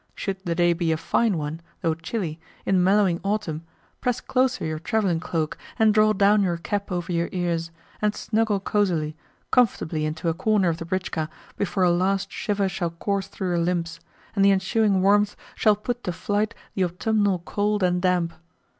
Should the day be a fine one (though chilly) in mellowing autumn, press closer your travelling cloak, and draw down your cap over your ears, and snuggle cosily, comfortably into a corner of the britchka before a last shiver shall course through your limbs, and the ensuing warmth shall put to flight the autumnal cold and damp.